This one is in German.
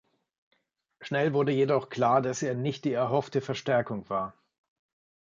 Schnell wurde jedoch klar, dass er nicht die erhoffte Verstärkung war.